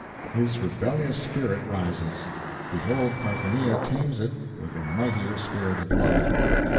His rebellious spirit rises. Behold Parthenia tames it with the mightier spirit of Love.